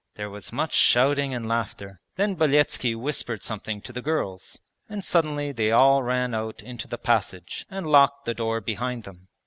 There was much shouting and laughter. Then Beletski whispered something to the girls and suddenly they all ran out into the passage and locked the door behind them.